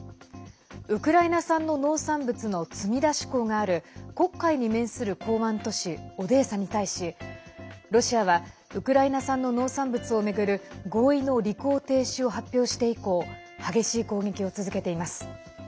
ウクライナ産の農産物の積み出し港がある黒海に面する港湾都市オデーサに対しロシアはウクライナ産の農産物を巡る合意の履行停止を発表して以降激しい攻撃を続けています。